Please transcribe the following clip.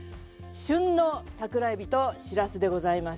旬の桜えびとしらすでございます。